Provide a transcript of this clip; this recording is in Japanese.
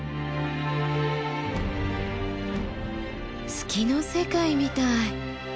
月の世界みたい。